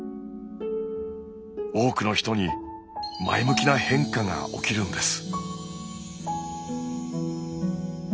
多くの人に前向きな変化が起きるんです。